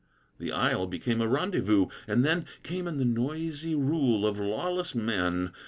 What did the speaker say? The isle became a rendezvous; and then Came in the noisy rule of lawless men.